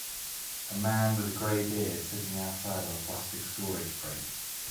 A man with a gray beard sitting outside on a plastic storage crate.